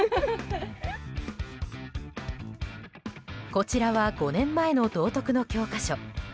こちらは５年前の道徳の教科書。